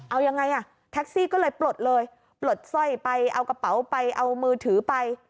เอายังไงอ่ะแท็กซี่ก็เลยปลดเลยปลดสร้อยไปเอากระเป๋าไปเอามือถือไป